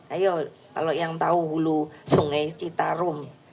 ayo kalau yang tahu hulu sungai citarum